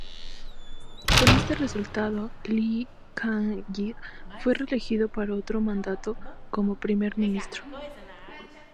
Con este resultado, Lee Kuan Yew fue reelegido para otro mandato como primer ministro.